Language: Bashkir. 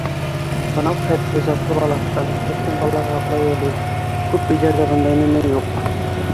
— Бынау хәтле затлы балаҫтан кемдең балаһы атлай әле? Күп өйҙәрҙә бындай нәмә юҡ!